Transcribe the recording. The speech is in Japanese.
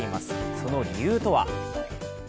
その理由とは？